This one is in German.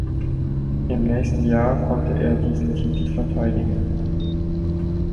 Im nächsten Jahr konnte er diesen Titel verteidigen.